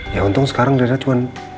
ya untung sekarang reina cuman